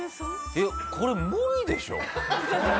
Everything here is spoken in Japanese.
えっこれ無理でしょ？